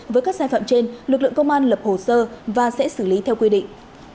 với các sai phạm trên lực lượng công an lập hồ sơ và sẽ xử lý theo quy định